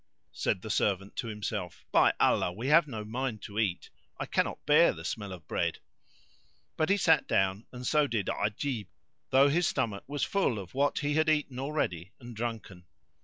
Said the servant to himself, "By Allah, we have no mind to eat: I cannot bear the smell of bread;" but he sat down and so did Ajib, though his stomach was full of what he had eaten already and drunken.